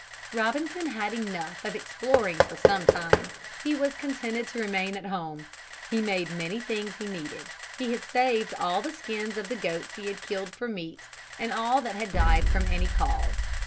Robinson had enough of exploring for some time. He was contented to remain at home. He made many things he needed. He had saved all the skins of the goats he had killed for meat and all that had died from any cause.